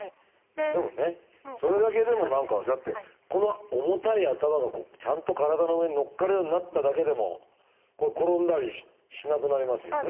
でもねそれだけでも何かだってこの重たい頭がちゃんと体の上にのっかるようになっただけでも転んだりしなくなりますもんね。